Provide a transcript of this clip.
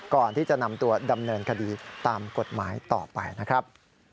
ก่อนที่จะนำตัวดำเนินคดีตามกฎหมายต่อไปนะครับ